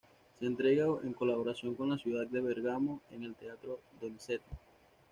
Se entrega en colaboración con la ciudad de Bergamo en el Teatro Donizetti.